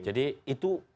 jadi itu penjelasannya